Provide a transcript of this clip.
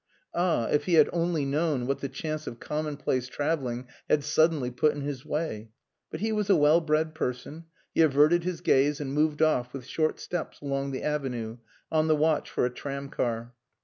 Ah! If he had only known what the chance of commonplace travelling had suddenly put in his way! But he was a well bred person; he averted his gaze and moved off with short steps along the avenue, on the watch for a tramcar.